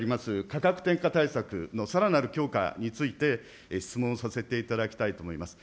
価格転嫁対策のさらなる強化について質問させていただきたいと思います。